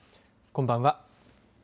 こんばんは。